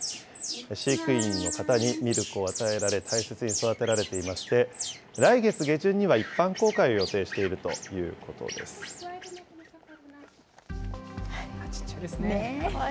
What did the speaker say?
飼育員の方にミルクを与えられ、大切に育てられていまして、来月下旬には、一般公開を予定していちっちゃいですね。